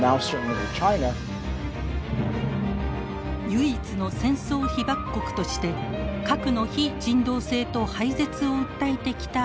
唯一の戦争被爆国として核の非人道性と廃絶を訴えてきた日本。